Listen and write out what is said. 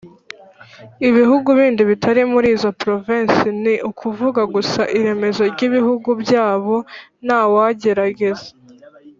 ibihugu bindi bitari muri izo provinsi: ni ukuvuga gusa iremezo ry’ibihugu byabo. ntawagerageza